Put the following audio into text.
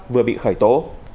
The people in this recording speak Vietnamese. vừa bị khởi tố